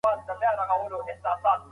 ده د قلم له لارې پښتنو ته پيغام ورکړ